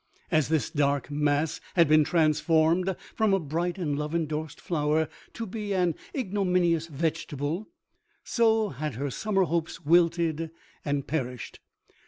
As this dark mass had been transformed from a bright and love indorsed flower to be an ignominious vegetable, so had her summer hopes wilted and perished.